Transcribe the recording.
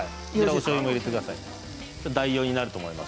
おしょうゆも入れてください。